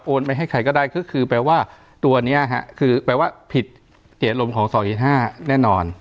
ไปให้ใครก็ได้ก็คือแปลว่าตัวนี้คือแปลว่าผิดเสียอารมณ์ของ๒๕แน่นอน